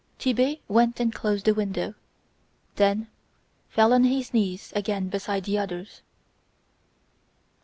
Tit'Bé went and closed the window, then fell on his knees again beside the others.